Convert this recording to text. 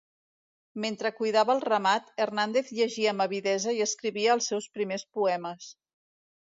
Mentre cuidava el ramat, Hernández llegia amb avidesa i escrivia els seus primers poemes.